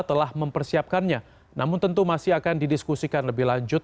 telah mempersiapkannya namun tentu masih akan didiskusikan lebih lanjut